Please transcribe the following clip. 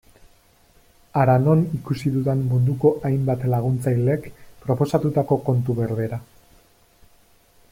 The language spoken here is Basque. Hara non ikusi dudan munduko hainbat laguntzailek proposatutako kontu berbera.